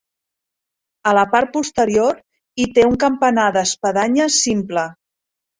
A la part posterior, hi té un campanar d'espadanya simple.